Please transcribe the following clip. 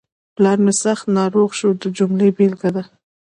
پلار مې سخت ناروغ شو د جملې بېلګه ده.